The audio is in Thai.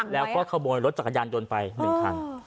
แล้วก็ขโมยรถจักรยานยนต์ไป๑คัน